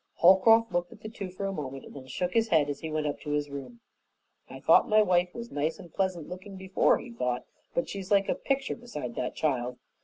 Holcroft looked at the two for a moment, and then shook his head as he went up to his room. "I thought my wife was nice and pleasant looking before," he thought, "but she's like a picture beside that child.